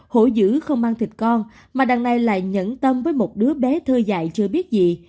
hổ dữ không mang thịt con mà đằng này lại nhẫn tâm với một đứa bé thơ dại chưa biết gì